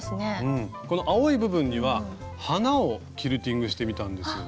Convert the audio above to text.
この青い部分には花をキルティングしてみたんですよね。